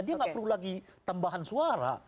dia nggak perlu lagi tambahan suara